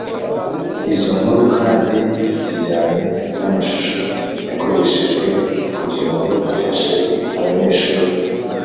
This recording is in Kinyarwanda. izo nkuru kandi zijyanye n’amashusho yakoreshejwe kugira ngo afashe abanyeshuri